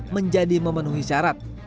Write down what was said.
menjadi memenuhi syarat